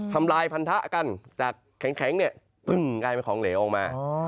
ทำลายพันธะกันจากแข็งเนี่ยกลายเป็นของเหลวออกมา